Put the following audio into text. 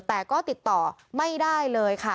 แต่ก็ติดต่อไม่ได้เลยค่ะ